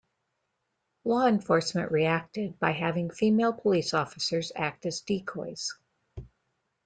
Law enforcement reacted by having female police officers act as decoys.